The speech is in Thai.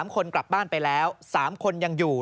๓คนกลับบ้านไปแล้ว๓คนยังอยู่